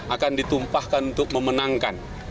akan ditumpahkan untuk memenangkan